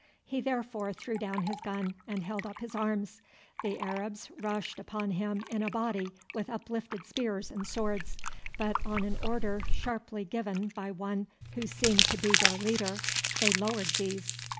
He therefore threw down his gun and held up his arms. The Arabs rushed upon him in a body with uplifted spears and swords, but on an order sharply given by one who seemed to be their leader they lowered these.